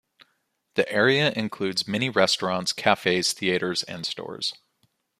The area includes many restaurants, cafes, theaters and stores.